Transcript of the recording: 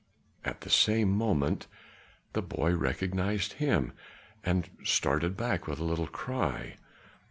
At the same moment the boy recognized him, and started back with a little cry.